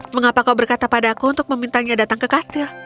mengapa kau berkata padaku untuk memintanya datang ke kastil